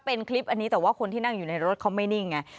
เป็นคลิปอันนี้แต่ว่าคนที่นั่งอยู่ในรถเขาไม่นิ่งไง